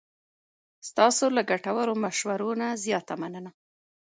ستاسو له ګټورو مشورو نه زیاته مننه.